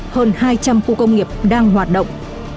hơn hai trăm linh khu công nghiệp đang hoạt động